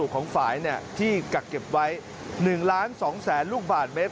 ของฝ่ายที่กักเก็บไว้๑ล้าน๒แสนลูกบาทเมตร